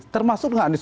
termasuk nggak anies